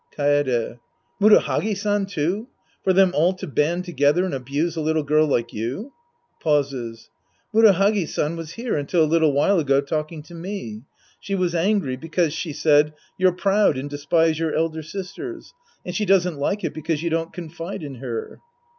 Kaede. Murahagi San, too? For them all to band together and abuse a little girl like you ! {Pauses.) Murahagi San was here until a little while ago talking to me. She was angry because, she said, you're proud and despise your elder sisters. And she doesn't like it because you don't confide in her.